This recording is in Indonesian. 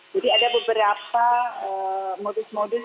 jadi ada beberapa modus modus